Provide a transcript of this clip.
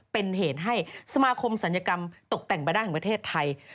เป็นเหตุให้สมาคมศัลยกรรมตกแต่งบาดแห่งประเทศไทย